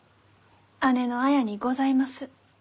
姉の綾にございます。